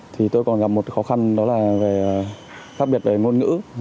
thì tôi còn gặp một khó khăn đó là về khác biệt về ngôn ngữ